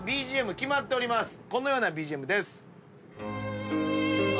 このようなＢＧＭです。